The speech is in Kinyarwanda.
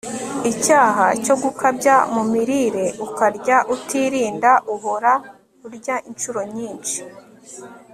icyaha cyo gukabya mu mirire, ukarya utirinda, uhora urya inshuro nyinshi